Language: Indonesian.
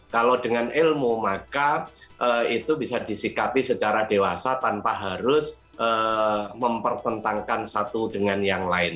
kalau dengan ilmu maka itu bisa disikapi secara dewasa tanpa harus mempertentangkan satu dengan yang lain